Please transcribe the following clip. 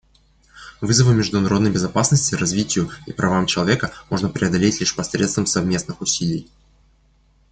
Вызовы международной безопасности, развитию и правам человека можно преодолеть лишь посредством совместных усилий.